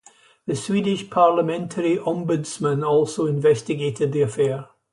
The Swedish Parliamentary Ombudsman also investigated the affair.